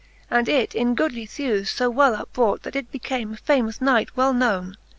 And it in goodly thewes fo well upbrought. That it became a famous knight well knowne.